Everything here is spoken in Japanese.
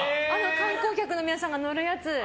観光客の皆さんが乗るやつ。